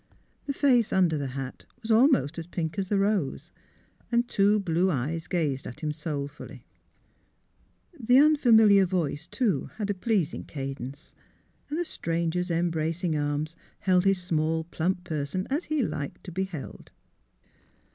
The face under the hat was almost as pink as the rose, and two blue eyes gazed at him soul fully. The unfamiliar voice, too, had a pleas MALVINA BENNETT, DRESSMAKER 75 ing cadence, and the stranger's embracing arms held his small, plump person as he liked to be held.